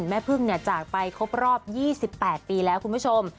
แม่พึ่งจากไปครบรอบ๒๘ปีแล้วคุณผู้ชม